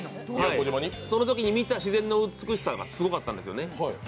そのときに見た自然の美しさがすごかったんですよね。